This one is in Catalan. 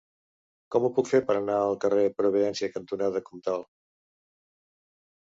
Com ho puc fer per anar al carrer Providència cantonada Comtal?